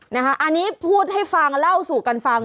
อันนี้พูดให้ฟังเล่าสู่กันฟัง